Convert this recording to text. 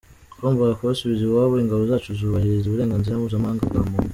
Twagombaga kubasubiza iwabo, ingabo zacu zubahiriza uburenganzira mpuzamahanga bwa muntu.